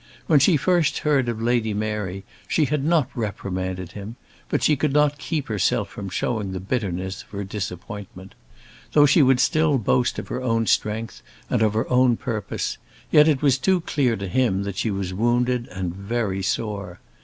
When she first heard of Lady Mary she had not reprimanded him, but she could not keep herself from showing the bitterness of her disappointment. Though she would still boast of her own strength and of her own purpose, yet it was too clear to him that she was wounded and very sore.